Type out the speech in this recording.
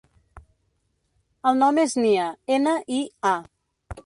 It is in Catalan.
El nom és Nia: ena, i, a.